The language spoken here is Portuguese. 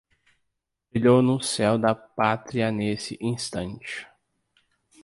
Brilhou no céu da Pátria nesse instante